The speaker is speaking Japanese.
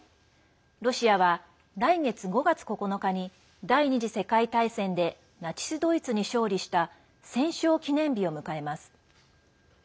ロシアは来月５月９日に第２次世界大戦でナチス・ドイツに勝利した戦勝記念日を迎えます。